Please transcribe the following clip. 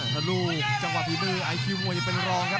ทะลูกจังหวะภีมือไอคิวมัวยังเป็นรองครับ